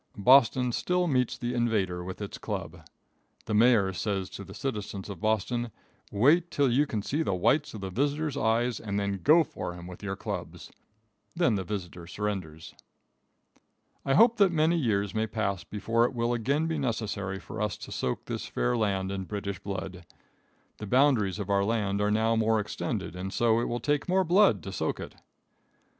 Boston still meets the invader with its club. The mayor says to the citizens of Boston: "Wait till you can see the whites of the visitor's eyes, and then go for him with your clubs." Then the visitor surrenders. I hope that many years may pass before it will again be necessary for us to soak this fair land in British blood. The boundaries of our land are now more extended, and so it would take more blood to soak it.